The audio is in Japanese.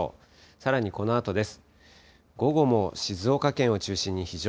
さらにこのあとです。